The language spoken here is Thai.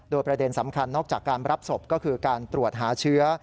โดยประเด็นสำคัญนอกจากการรับศพก็คือการตรวจหาเชื้อ